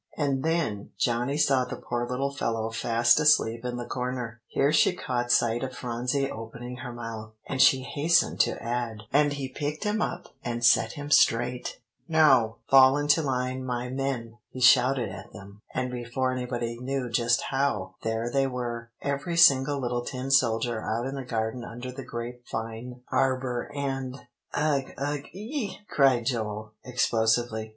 "And then Johnny saw the poor little fellow fast asleep in the corner." Here she caught sight of Phronsie opening her mouth; and she hastened to add, "And he picked him up and set him straight. 'Now, fall into line, my men!' he shouted at them; and before anybody knew just how, there they were, every single little tin soldier out in the garden under the grape vine arbor and" "Ugh ugh ee!" cried Joel explosively.